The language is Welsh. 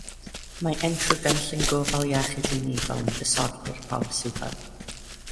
Mae unrhyw gynllun gofal iechyd unigol yn disodli'r polisi hwn.